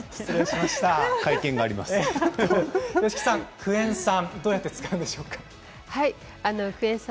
クエン酸をどうやって使うんでしょうか。